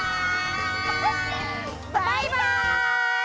バイバイ！